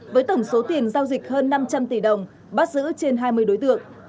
với tổng số tiền giao dịch hơn năm trăm linh tỷ đồng bắt giữ trên hai mươi đối tượng